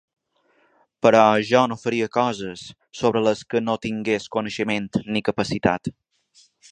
Però jo no faria coses sobre les que no tingués coneixement ni capacitat.